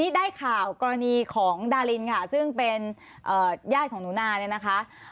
พี่ได้ข่าวกรณีของดารินค่ะซึ่งเป็นญาติของนุนานะคะ